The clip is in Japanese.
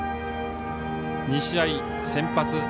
２試合先発。